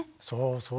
そう。